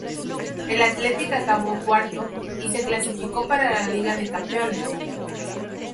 El Athletic acabó cuarto, y se clasificó para la Liga de Campeones.